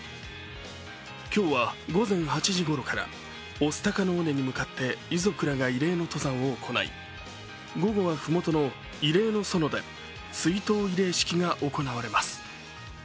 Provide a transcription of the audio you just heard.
今日は午前８時ごろから、御巣鷹の尾根に向かって遺族らが慰霊の登山を行い午後は麓の慰霊の園で追悼慰霊式が行われます。